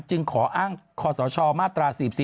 จึงขออ้างคอสชมาตรา๔๔